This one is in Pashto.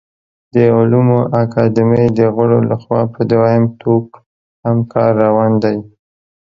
د علومو اکاډمۍ د غړو له خوا په دویم ټوک هم کار روان دی